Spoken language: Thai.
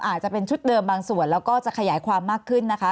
อาจจะเป็นชุดเดิมบางส่วนแล้วก็จะขยายความมากขึ้นนะคะ